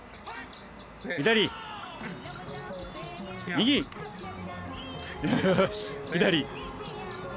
右！よし左。